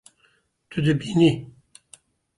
Tu dibînî